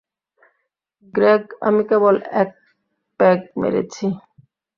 Greg, আমি কেবল এক পেগ মেরেছি।